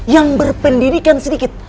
yang berpendidikan sedikit